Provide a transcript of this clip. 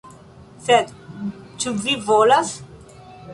Sed ĉu vi volas?